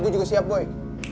gue juga siap boy